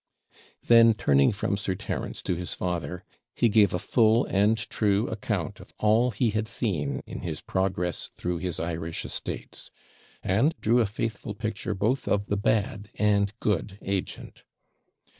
Then, turning from Sir Terence to his father, he gave a full and true account of all he had seen in his progress through his Irish estates; and drew a faithful picture both of the bad and good agent.